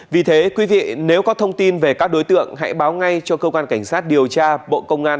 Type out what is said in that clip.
vì thế quý vị nếu có thông tin về các đối tượng hãy báo ngay cho cơ quan cảnh sát điều tra bộ công an